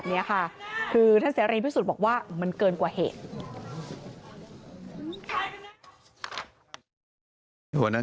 ก็มีคุณธรรมนัทมาด้วย